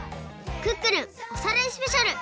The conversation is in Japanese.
クックルンおさらいスペシャル！」。